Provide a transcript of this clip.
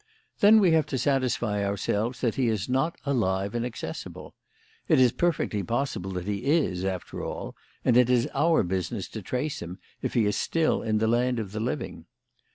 Then we have to satisfy ourselves that he is not still alive and accessible. It is perfectly possible that he is, after all, and it is our business to trace him, if he is still in the land of the living.